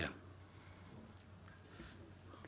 iya jadi besoknya kita bagi dua lagi juga yang mulya